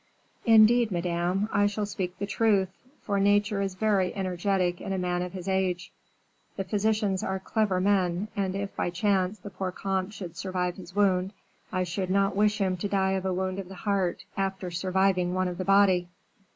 "Indeed, Madame, I shall speak the truth, for nature is very energetic in a man of his age. The physicians are clever men, and if, by chance, the poor comte should survive his wound, I should not wish him to die of a wound of the heart, after surviving one of the body."